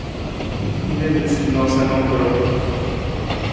Hin niisaniisatu na karam.